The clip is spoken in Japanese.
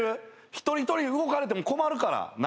一人一人動かれても困るから。